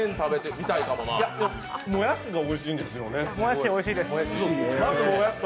いや、もやしがおいしいんですよね。